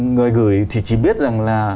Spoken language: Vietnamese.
người gửi thì chỉ biết rằng là